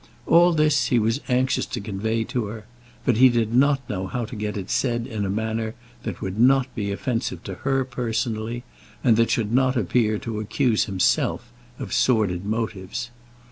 All this he was anxious to convey to her, but he did not know how to get it said in a manner that would not be offensive to her personally, and that should not appear to accuse himself of sordid motives.